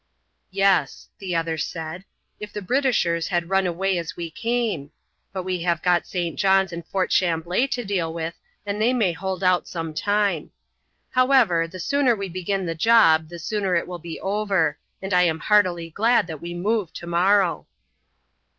"Yes," the other said, "if the Britishers had run away as we came; but we have got St. John's and Fort Chamblée to deal with, and they may hold out some time. However, the sooner we begin the job the sooner it will be over, and I am heartily glad that we move tomorrow."